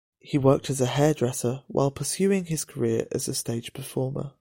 He worked as a hairdresser while pursuing his career as a stage performer.